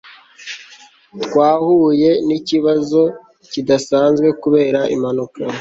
twahuye nikibazo kidasanzwe kubera impanuka